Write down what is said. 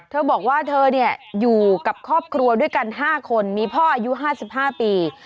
เธอบอกว่าเธออยู่กับครอบครัวด้วยกัน๕คนมีพ่ออายุ๕๕ปี